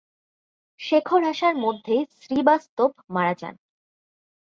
শেখর আসার মধ্যেই শ্রীবাস্তব মারা যান।